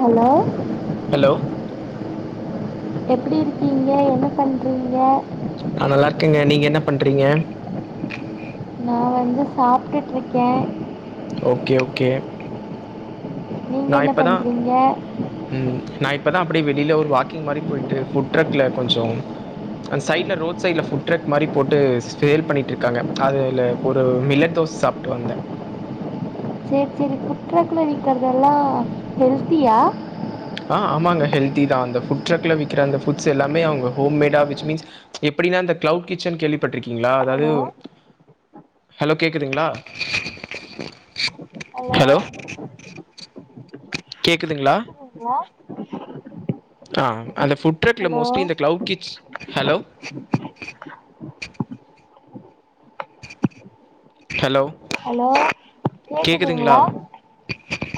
Hello hello எப்டி இருக்கீங்க என்ன பண்றீங்க நா நல்லா இருக்கேங்க நீங்க என்ன பண்றீங்க நான் வந்து சாப்ட்டுட்டு இருக்க ஓகே ஓகே நா நீங்கள் என்ன இப்பதா பண்ணுறீங்க ம் நா இப்பதா அப்டி வெளில ஒரு வாக்கிங் மாரி போயிட்டு புட்ட்ரக்ல கொஞ்சோ அந்த சைட்ல ரோட் சைட்ல ஃபுட்ட்ரக் மாரி போட்டு சேல் பண்ணிட்டு இருக்காங்க அதுல ஒரு மில்லட் இப்போ சாப்ட்டு வந்த சேரி சேரி ஃபுட்ட்ரக் ல விக்கறதெல்லா ஹெல்த்தியா ஆ ஆமாங்க ஹெல்த்திதா அந்த ஃபுட்ட்ரக்ல விக்கிற அந்த ஃபுட்ஸ் எல்லாமே அவுங்க ஹோம் மேடா விச் மீன்ஸ் இப் அப்டினா இந்த கிளவுட் கிச்சன் கேள்விப்பட்டிருக்கீங்களா அதாவது ஹலோ ஹலோ கேக்குதுங்ளா ஹலோ கேக்குதுங்ளா வாட் அ அந்த ஃபுட்ட்ரக்ல ஹலோ மோஸ்ட்லி இந்த கிளவுட் கிச் ஹலோ ஹலோ ஹலோ கேட்குதுங்களா கேக்குதுங்ளா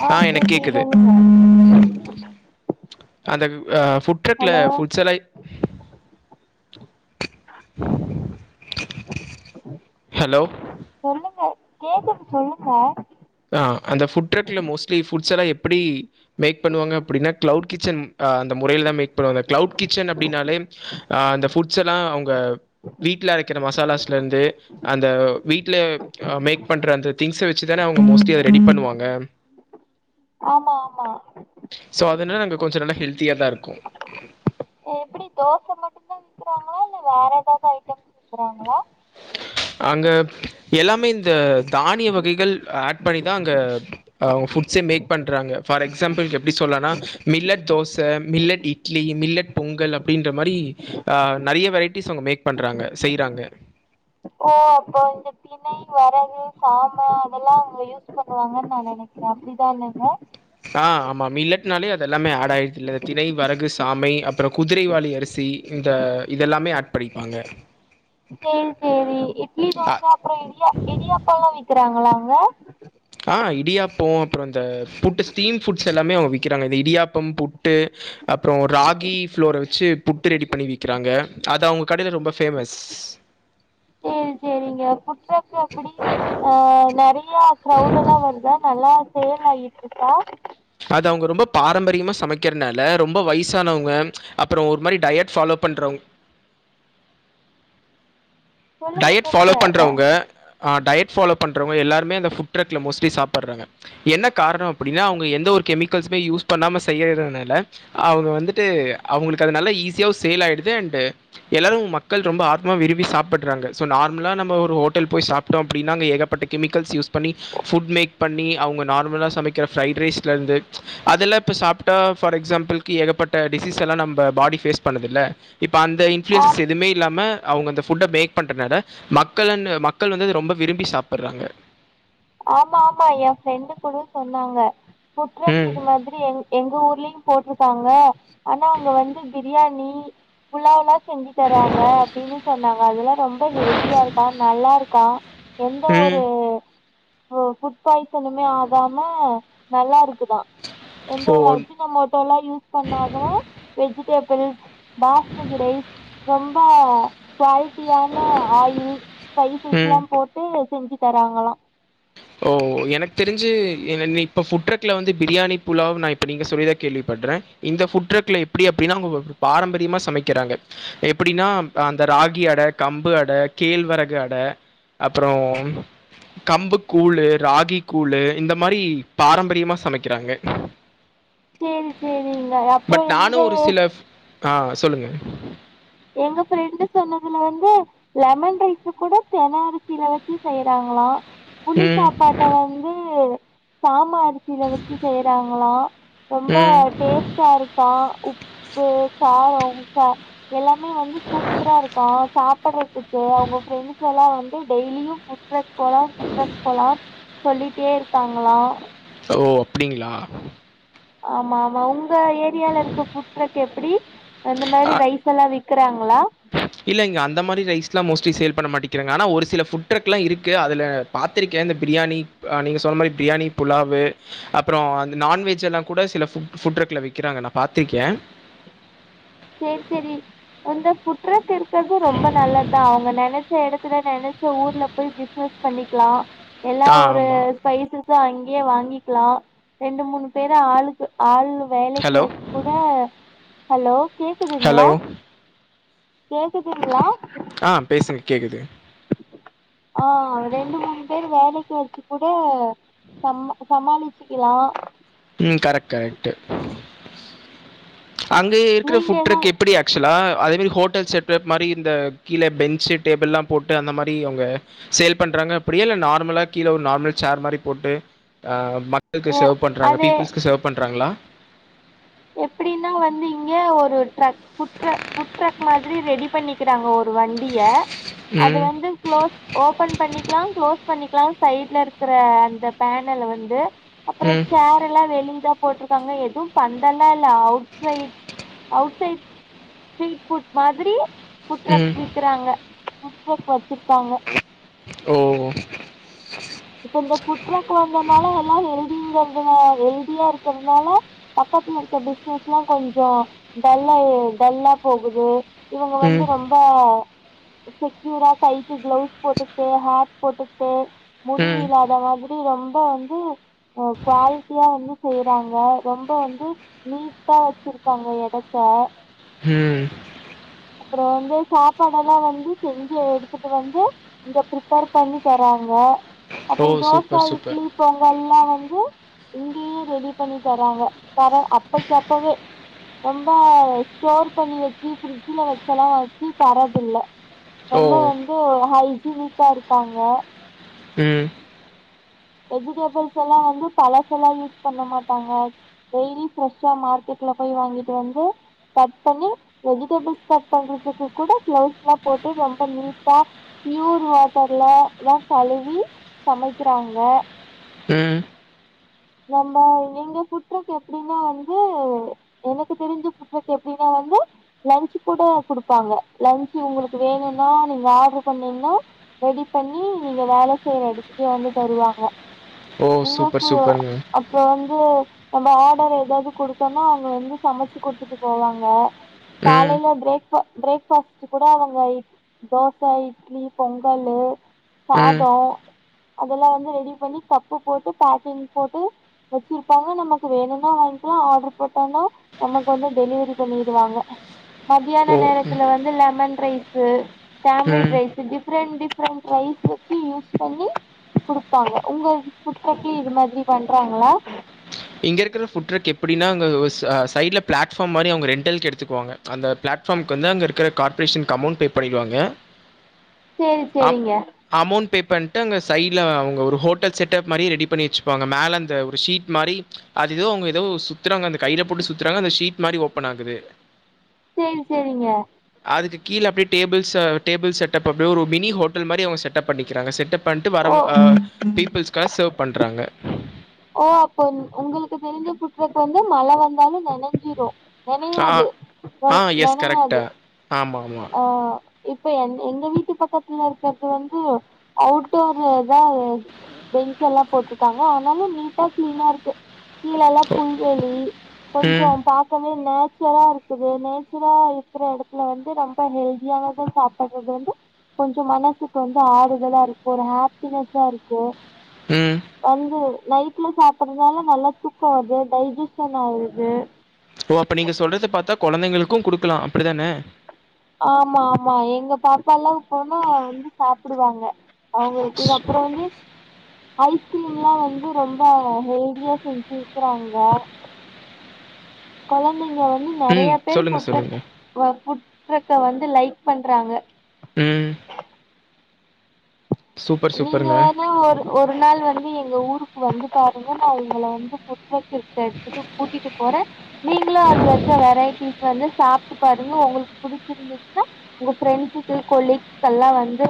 அ ஆ எனக்கு கேக்குது கேட்குது சொல்லுங்க அந்த ஃபுட்ட்ரக்ல ஹலோ ஃபுட்ஸெல்லா ஹலோ [unintelligible] சொல்லுங்க அ அந்த ஃபுட்ட்ரக் ல மோஸ்ட்லி ஃபுட்ஸ்ஸெல்லா எப்டி மேக் பண்ணுவாங்க அப்டினா கிளவுட் கிச்சன் அ அந்த முறையில தா மேக் பண்ணுவாங்க கிளவுட் கிச்சன் அப்டின்னாலே அந்த ஃபுட்ஸ் எல்லா அவுங்க வீட்ல அரைக்கிற மசாலாஸ் லேர்ந்து அந்த வீட்ல மேக் பண்ற அந்த திங்ஸ வச்சு தான அவுங்க மோஸ்ட்லி அத ரெடி பண்ணுவாங்க ஆமா ஆமா சோ அதுனா அங்க கொஞ்சோ நல்லா ஹெல்த்தியாதாருக்கு எப்படி தோசை மட்டும்தான் விற்கிறாங்களா இல்லை வேறு ஏதாவது ஐட்டம்ஸ் விற்கிறாங்களா [inaudible] அங்க எல்லாமே இந்த தானிய வகைகள் ஆட் பண்ணிதா அங்க அவுங் ஃபுட் ச மேக் பண்றாங்க ஃபார் எக்ஸாம்பிள் எப்புடி சொல்லானா millet dosa millet idli millet pongal அப்புடின்ற மாரி அ நெறைய வெரைட்டிஸ் அவுங்க மேக் பண்றாங்க செய்யுறாங்க ஓ அப்போ இந்த திணை வரகு சாம அதெல்லா அவுங்க யூஸ் பண்ணுவாங்கன் நா நெனைக்கிற அப்புடிதானங்க ஆ ஆமா மில்லட்னாலே அது எல்லாமே ஆட் ஆயிருதுல தினை வரகு சாமை அப்றோ குதிரைவாளி அரிசி இந்த இதெல்லாமே ஆட் படிப்பாங்க சேரி சேரி இட்லி தோச‌ அப்றோ இடியா இடியாப்போ எல்லா விக்குறாங்களா அங்க அ இடியாப்போ அப்றோ இந்த புட்டு ஸ்டீம் ஃபுட்ஸ் எல்லாமே அவுங்க விக்கிறாங்க இந்த இடியாப்பம் புட்டு அப்றோ ராகி ஃப்ளோர வச்சு புட்டு ரெடி பண்ணி விக்கிறாங்க அது அவுங்க கடையில ரொம்ப ஃபேமஸ் சேரி சேரிங்க ஃபுட் ட்ரக்ல க்ரௌட் எல்லா வருதா நல்லா சேல் ஆயிட்ருக்கா அது அவுங்க ரொம்ப பாரம்பரியமா சமைக்கிறனால ரொம்ப வயசானவங்க அப்பறோ ஒரு மாரி டயட் ஃபாலோ பண்றவுங் [inaudible] சொல்லுங்க டயட் ஃபாலோ சொல்லுங்க பண்றவுங்க ஆஹ் டயட் ஃபாலோ பண்றவுங்க எல்லாருமே அந்த புட் ட்ரக்ல மோஸ்ட்லி சாப்புடுறாங்க என்ன காரணம் அப்டினா அவுங்க எந்த ஒரு கெமிக்கல்ஸ்மே யூஸ் பண்ணாம செய்யுறனால அவுங்க வந்துட்டு அவுங்களுக்கு அது நல்ல ஈஸியாவும் சேல் ஆயிடு து அண்ட் எல்லாரும் மக்கள் ரொம்ப ஆத்மா விரும்பி சாப்புட் டுறாங்க ஸோ நார்மலா நம்ம ஒரு ஹோட்டல் போய் சாப்பிட்டோம் அப்டினா அங்க ஏகப்பட்ட கெமிக்கல்ஸ் யூஸ் பண்ணி ஃபுட் மேக் பண்ணி அவுங்க நார்மலா சமைக்கிற ஃப்ரைட் ரைஸ்ல இருந்து அதெல்லா இப்ப சாப்பிட்டா பார் எக்ஸாம்பில்க்கு ஏகப்பட்ட இந்த டிசீஸ் எல்லா நம்ப பாடி பேஸ் பண்ணுதில்ல இப்ப அந்த ஆ இன்ஃப்ளுயன்சஸ் எதுமே இல்லாம அவுங்க அந்த ஃபுட்ட பேக் பண்றதுனால மக்கள் அண்ட் மக்கள் வந்து அத ரொம்ப விரும்பி சாப்புடுறாங்க ஆமா ஆமா என் ஃப்ரெண்டு கூட சொன்னாங்க ஓகே ஓகே ம் இது மாதிரி எ எங்க ஊர்லயும் போட்டிருக்காங்க ஆனா அங்க வந்து பிரியாணி புலாவ்லா செஞ்சு தராங்க அப்புடின்னு சொன்னாங்க அதெல்லாம் ரொம்ப ஹெல்தியா இருக்கா நல்லா இருக்கான் எந்த ம் ஒரு ஃபுட் பாய்சனுமே ஆகாம நல்லா இருக்கு க்குதா எந்த ஸோ ஒரு அஜினோ மோட்டோல்லா யூஸ் பண்ணாத வெஜிடபிள்ஸ் பாஸ்மதி ரைஸ் ரொம்ப குவாலிட்டியான ஆயில் ஸ்பைசஸ் ம் எல்லா போட்டு செஞ்சு தாராங்களாம் ஓ எனக்கு தெரிஞ்சு இப்ப புட்ரக்ல வந்து பிரியாணி புலாவ் நா இப்ப நீங்க சொல்லி கேள்விப்ப டுறேன் இந்த ஃபுட் ட்ரக்ல எப்புடி அப்படின்னா அவுங்க பாரம்பரியமா சமைக்கிறாங்க எப்புடின்னா அந்த ராகி அட கம்பு அட கேழ்வரகு அட அப்றோ கம்பு கூழு ராகி கூழு இந்த மாரி பாரம்பரியமா சமைக்குறாங்க சேரி சேரிங்க அப்றோ எங்க ஆஹ் சொல்லுங்க எங்க ஃபிரெண்டு சொன்னதுல வந்து லெமன் ரைஸ்சு கூட தென அரிசியில வச்சு செய்யுறாங்க ஆமா புளி ம். சாப்பாட்ட வந்து சாம அரி சியில வச்சு செய்யுறாங்களா ரொம்ப ம். டேஸ்டா இருக்கா உப்பு காரம் எல்லாமே வந்து சூப்பரா இருக்கா சாப்ட்டுறதுக்கு அவுங்க ஃப்ரெண்ட்ஸ் எல்லாம் வந்து டெய்லியும் ஃபுட் ட்ரக் போலா ஃபுட் ட்ரக்கு போலாம்னு சொல்லிட்டே இருக்காங்களா ஓ அப்புடிங்களா ஆமா ஆமா உங்க ஏரியால இருக்க ஃபுட் ட்ரக் எப்டி இந்த மாரி அ ரைஸ் எல்லா விக் குறாங்களா இல்ல இங்க அந்த மாரி ரைஸ்லாம் மோஸ்ட்லி சேல் பண்ண மாட்டிகிறாங்க ஆனா ஒரு சில ஃபுட் ட்ரக்லா இருக்கு அதுல பாத்திருக்க அந்த பிரியாணி நீங்க சொன்ன மாரி பிரியாணி புலாவு அப்றோ அந்த நான்வெஜ் எல்லா கூட சில ஃபுட் ஃபுட்ரக்கில விக்கிறாங்க நா பாத்துருக்கேன் சேரி சேரி இந்த ஃபுட் ட்ரக் இருக்குறதும் ரொம்ப நல்லதுதான் அவுங்க நினைச்ச இடத்து இது நினைச்ச ஊர்ல போய் பிசினஸ் பண்ணிக்கலாம் எல்லா ஆ ஒரு ஆமா. ஸ்பைசஸும் அங்கயே வாங்கிக்கலாம் ரெண்டு மூணு பேரு ஆளுக்கு ஆள் வேலைக்கு ஹலோ, வச்சு கூட ஹலோ கேக்குதுங்களா ஹலோ. கேக்குதுங்களா ஆஹ் பேசுங்க கேக்குது ஆஹ் ரெண்டு மூணு பேர் வேலைக்கு வச்சு கூட சம் சமாளிச்சுக்கலாம் உம் க்ரெக்ட் க்ரெக்ட்டு அங்க இருக்கிற நீங்க ஃபுட் ட்ரக் என்ன எப்படி ஆக்சுவலா அதேமாரி ஹோட்டல் செட்டப் மாதிரி இந்த கீழ பெஞ்சு டேபிள்ளாம் போட்டு அந்த மாரி அவுங்க சேல் பண்ற றாங்க அப்டியல்ல நார்மலா கீழே ஒரு நார்மல் சேர் மாதிரி போட்டு ஆஹ் மக்களுக்கு அ சர்வ் பண்றாங்க அது பீப்புல்ஸ்க்கு சர்வ் பண்றாங்களா எப்டின்னா வந்து இங்க ஒரு truck food truck food truck மாதிரி ரெடி பண்ணிக்க கிட்டாங்க ஒரு வண்டிய அது ம் வந்து க்ளோஸ் ஓபன் பண்ணிக்கலாம் க்ளோஸ் பண்ணிக்கலாம் சைட்ல இருக்கிற அந்த பேனல்ல வந்து அப்புறம் ம் சேர் எல்லாம் வெளியதான் போட்டுருக்காங்க எதுவு பந்தல்லா இல்ல outside outside street food மாதிரி ஃபுட் ட்ரக் ம் விக்குறாங்க சிரிச்சாங்க ஓ இப்ப இந்த ஃபுட் ட்ரக் வந்தனால எல்லா ஹெழ்திங்கிறது ஹெழ்தியா இருக்கிறதுனால ப த்துல இருக்க பிசினஸ் எல்லா கொஞ்சோ டல்லா டல்லா போகுது இவுங்க வந்து ம் ரொம்ப செக்யூரா கைக்கு க்ளவுஸ் போட்டுகிட்டு ஹேர்க்கு போட்டுகிட்டு முடி ம் விலாத மாதிரி ரொம்ப வந்து குவாலிட்டியா வந்து செய்யறாங்க ரொம்ப வந்து நீட்டா வெச்சிருக்காங்க எடத்த ம் அப்றோ வந்து சாப்பாடெல்லா வந்து செஞ்சு எடுத்துட்டு வந்து இங்க ப்ரிப்பேர் பண்ணி தராங்க ஓ அப்றோ தோச, சூப்பர் சூப்பர் இட்லி, பொங்கல் எல்லா வ டி ரெடி பண்ணி தராங்க கர அப்பைக்கு அப்பவே ரொம்ப ஸ்டோர் பண்ணி வெச்சு ஃப்ரீ ஜ்ல வெச்செல்லா வெச்சி தரதில்ல ஓ ரொம்ப வந்து ஹை சீரியஸாஇருக்காங்க ம் வெஜிடெபிள்ஸ் எல்லா வந்து பழச எல்லா யூஸ் பண்ண மாட்டாங்க டெய்லி ஃப்ரெஷ்ஷா மார்க்கெட்ல போய் வாங்கிட்டு வந்து கட் பண்ணி வெஜிடபிள்ஸ் கட் பண்றதுக்கு கூட கிளவுஸ் எல்லா போட்டு ரொம்ப நீட்டா ப்யூர் வாட்டர்லதா கழுவி சமைக்கிறாங்க வே ம் நம்ம நீங்க ஃபுட் ட்ரக் எப்டினா வந்து எனக்கு தெரிஞ்சு ஃபுட் ட்ரக் எப்டினா வந்து ந்து லன்ச் கூட குடுப்பாங்க லன்ச்சு உங்களுக்கு வேணுனா நீங்க ஆர்டரு பண்ணீங்கன்னா ரெடி பண்ணி நீங்க வேல செய்யற எடத்துக்கே வந்து தருவாங்க ஓ சுப்பர் சுப்பர்ங்க இப்ப வந்து நம்ம ஆர்டர் எதாவது குடுகத்தோனா அவுங்க வந்து சமச்சு குடுத்துட்டு போவாங்க ம் காலைல ப்ரேக் பிரேக் பாஸ்ட் கூட அவுங்க தோச, இட்லி, பொங்கலு ம் சாதோ அதெல்லா வந்து ரெடி பண்ணி கப்பு போட்டு பேக்கிங் போட்டு வெச்சிருப்பாங்க நமக்கு வேணுனா வாங்கிக்கலா ஆர்டர் போட்டனா நமக்கு வந்து டெலிவரி பண்ணிடுவாங்க மதியான ஓ ம், நேரத்துல வந்து லெமன் ரைஸ், டாமரின் ம் rice different different rice stick வெச்சு யூஸ் பண்ணி குடுப்பாங்க உங்க ஃபுட் ட்ரக்லயு இது மாதிரி பண்றாங்ளா? இங்க இருக்கிற ஃபுட் டிரக் எப்டினா அங்க சைடுல பிளாட்ஃபார்ம் மாரி அவுங்க ரெண்ட்டல்க்கு எடுத்துக்குவாங்க அந்த பிளட்ஃபார்ம்க்கு வந்து அங்க இருக்கிற கார்ப்ரேஷனுக்கு அமௌண்ட் பே பண்ணிடுவாங்க சேரி அம் சேரிங்க அமௌன்ட் பே அங்க சைடுல அவுங்க ஒரு ஹோட்டல் செட்டப் மாரி ரெடி பண்ணி வேச்சுப்பாங்க மேல அந்த ஒரு ஷீட் மாரி அது எதோ அவுங்க எதோ சுத்துறாங்க அந்த கையில போட்டு சுத்துறாங்க அந்த ஷீட் மாரி ஓப்பன் ஆகுது. சேரி சேரிங்க அதுக்கு கீழ அப்டியே டேபிள்ஸ் அ டேபிள் செட்டப் அப்டியே ஒரு மினி ஹோட்டல் மாரி அவுங்க செட்டப் பண்ணிக்கிறாங்க செட்டப் பண்ட்டு வர ஓ ஆ பீப்ள்ஸ்காக செர்வ் பண்றாங்க. ஓ அப்போ உங்களுக்கு தெரிஞ்ச ஃபுட்டு ட்ரக் வந்து மழை வந்தாலு நெனஞ்சிரு ஆ நெனயாது ஆ தவ் எஸ் நெனயாது கரெக்டாக ஆமாம் ஆமாம் ஆ இப்ப என் எங்க வீட்டு பக்கத்துல இருக்கிறது வந்து அவுட்டோர்தா பெஞ்ச் எல்லா போட்டுருக்காங்க ஆனாலு நீட்டா கிளீனா இருக்கு. கீழலல்லா ஓ புல்வெலி ம் கொஞ்சோ பாக்கவே நேச்சரா இருக்குது நேச்சரா இருக்கிற எடத்துல வந்து ரொம்ப ஹெல்தியானதா சாப்படறது வந்து கொஞ்சோ மனசுக்கு வந்து ஆறுதலா இருக்கூ ஒரு ஹாப்பினஸ்ஸா இருக்கூ ம் வந்து நைட்ல சாப்பிறதுனால நல்லா தூக்கோ வருது டைஜிஷன் ஆவுது ஓ அப்ப நீங்க சொல்றத பாத்தா கொழந்தைங்களுக்கூ குடுக்கலா அப்டிதான ஆமா ஆமா எங்க பாப்பால்லா போனா வந்து சாப்டுவாங்க அவுங்க ஸ் இதுக்கு அப்புறம் வந்து ஐஸ்கிரீம்லா வந்து ரொம்ப ஹெல்தியா செஞ்சி விக்கிறாங்க கொழந்தைங்க வந்து நறைய ம் பேர் சொல்லுங்கள் ஃபுட்ரக் சொல்லுங்கள் வ ஃபுட்ரெக்க வந்து லைக் பண்றாங்க ம் சூப்பர் நீங்க சூப்பருங்க வேணா ஒரு ஒரு நாள் வந்து எங்க ஊருக்கு வந்து பாருங்க நா உங்கள வந்து ஃபுட்ட்ரக் இருக்கிற எடத்துக்கு கூட்டிட்டு போறன் நீ அதுல இருக்க வெரைட்டிஸ் வந்து சாப்ட்டு பாருங்க உங்களுக்கு புடிச்சிருந்துச்சுன்னா உங்க ஃப்ரெண்ட்சுக்கூ கொலிக்ஸ்க் எல்லா வந்து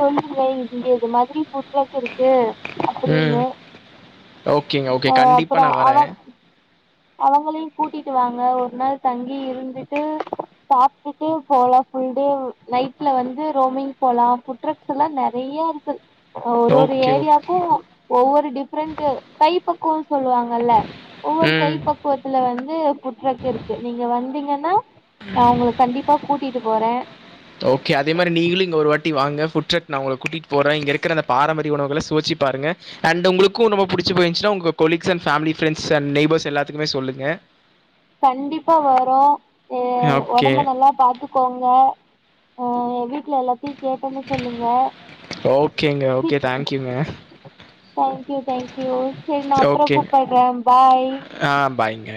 சொல்லுங்க இங்க இது மாதிரி ஃபுட்ட்ரக் இருக்கு ம் அப்டின்னு ஓகேங்க. ஓகே. அ கண்டிப்பா அப்புறோ நான் வரேன். அதாங்க அவங்களையு கூட்டிட்டு வாங்க ஒரு நாள் தங்கி இருந்துட்டு சாப்டுட்டு போலா ஃபுல் டே நைட்ல வந்து ரோமிங் போலா ஃபுட்ரக் எல்லா நெறைய நெறையா இருக்கு அ ஒரு ஒரு ஓகே, ஓக் ஏரியாக்கூ ஒவ்வொரு டிஃப்ரெண்ட்டு கை பக்குவோன் சொல்வாங்கல்ல ஒவ்வொரு கை ம். பக்குவத்துல இது ஃபுட்ரெக் இருக்கு நீங்க வந்தீங்கன்னா நா உங்கள கண்டிப்பா கூட்டிட்டு போற ஓகே அதே மாரி நீங்களு இங்க ஒரு வாட்டி வாங்க ஃபுட்ட்ரக் நா உங்கள கூட்டிட்டு போற இங்க இருக்குற அந்த பாரம்பரிய உணவுகள சுவச்சி பாருங்க அண்ட் உங்களுக்கூ ரொம்ப புடிச்சி போயிருஞ்சின்னா உங்க colleagues and family friends and neighbours எல்லாத்துக்குமே சொல்லுங்க அ கண்டிப்பா வரோ அ ஓகே. ஒடம்ப நல்லா பாத்துக்கோங்க ஆ வீக் வீட்ல எல்லாத்தையு கேட்டேன்னு சொல்லுங்க ஓகேங்க. ஓகே. தேங்க்யூங்க. தேங்க்யூ தேங்க்யூ செரி நா அப்பறொ ஓகேங்க. கூப்பட்ற பாய் ஆ பாய்ங்க.